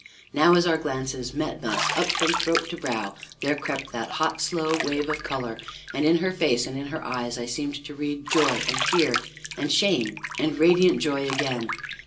Now, as our glances met thus, up from throat to brow there crept that hot, slow wave of color, and in her face and in her eyes I seemed to read joy, and fear, and shame, and radiant joy again.